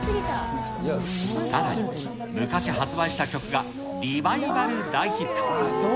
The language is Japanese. さらに、昔発売した曲がリバイバル大ヒット。